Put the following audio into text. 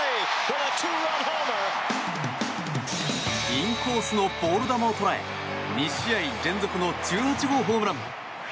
インコースのボール球を捉え２試合連続の１８号ホームラン。